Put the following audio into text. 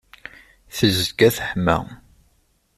tezga teḥma.